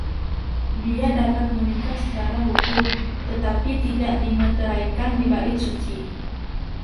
Dia dapat menikah secara hukum, tetapi tidak dimeteraikan di bait suci.